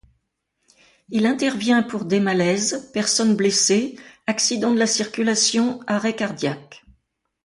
Il intervient pour des malaises, personnes blessées, accident de la circulation, arrêt cardiaques.